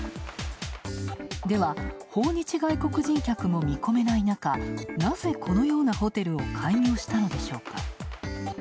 では、訪日外国人も見込めない中、なぜ、このようなホテルを開業したのでしょうか。